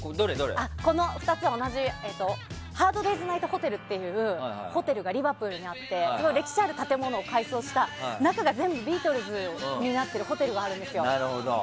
この２つ同じハードデイズナイトホテルというホテルが、リバプールにあって歴史ある建物を改装した中が全部ビートルズになってるホテルがあるんですよ。